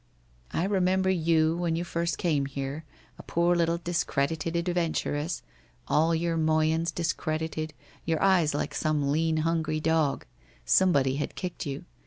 . I remember you, when you first came here, a poor little discredited adventuress, all your moyens discredited, with eyes like some lean hungry dog. Somebody had kicked you.